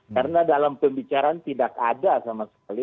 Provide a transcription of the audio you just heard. karena dalam pembicaraan tidak ada sama sekali